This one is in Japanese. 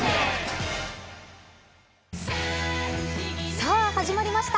さあ、始まりました。